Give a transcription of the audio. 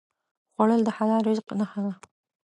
خوړل د حلال رزق نښه ده